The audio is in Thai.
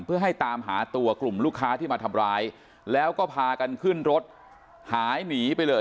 เพื่อให้ตามหาตัวกลุ่มลูกค้าที่มาทำร้ายแล้วก็พากันขึ้นรถหายหนีไปเลย